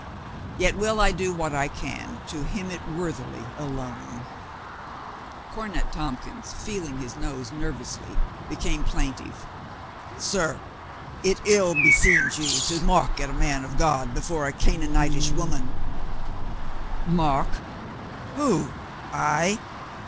Yet will I do what I can to hymn it worthily alone." 66 COLONEL GREATHEART Cornet Tompkins, feeling his nose nervously, be came plaintive. "Sir, it ill beseems you to mock at a man of God before a Canaanitish woman," "Mock? Who, I?